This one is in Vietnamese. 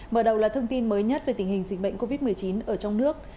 mở đầu là thông tin mới nhất về tình hình dịch bệnh covid một mươi chín ở trong nước